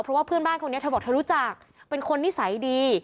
เพราะว่าเพื่อนบ้านคนนี้เธอบอกเธอรู้จักเป็นคนนิสัยดี